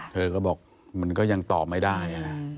เธอก็บอกมันก็ยังตอบไม่ได้นะ